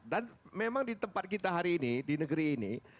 dan memang di tempat kita hari ini di negeri ini